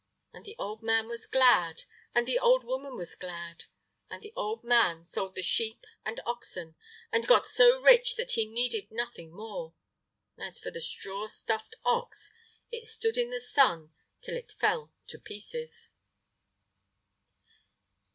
And the old man was glad, and the old woman was glad. And the old man sold the sheep and oxen, and got so rich that he needed nothing more. As for the straw stuffed ox, it stood in the sun till it fell to pieces.